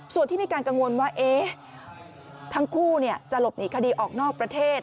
ส่วนที่มีการกังวลว่าทั้งคู่จะหลบหนีคดีออกนอกประเทศ